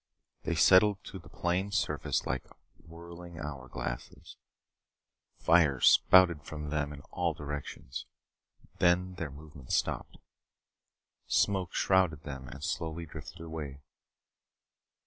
They settled to the plane's surface like whirling hour glasses. Fire spouted from them in all directions. Then their movement stopped. Smoke shrouded them and slowly drifted away.